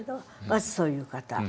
まずそういう方。